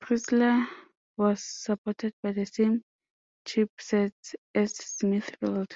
"Presler" was supported by the same chipsets as "Smithfield".